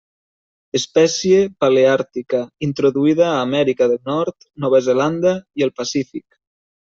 Espècie paleàrtica, introduïda a Amèrica del Nord, Nova Zelanda i el Pacífic.